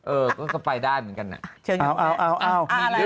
เออก็จะไปด้านเหมือนกัน